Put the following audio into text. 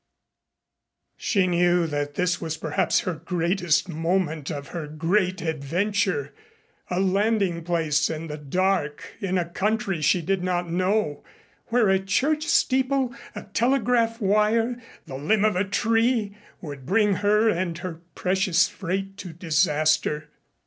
She knew that this was perhaps the greatest moment of her great adventure. A landing place in the dark in a country she did not know, where a church steeple, a telegraph wire, the limb of a tree, would bring her and her precious freight to disaster.